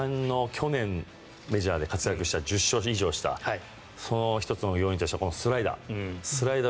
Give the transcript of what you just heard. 去年、メジャーで活躍した１０勝以上したその１つの要因はスライダー。